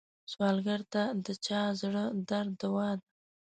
سوالګر ته د چا زړه درد دوا ده